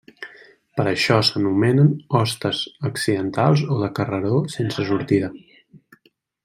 Per això s'anomenen hostes accidentals o de carreró sense sortida.